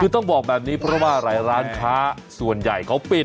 คือต้องบอกแบบนี้เพราะว่าหลายร้านค้าส่วนใหญ่เขาปิด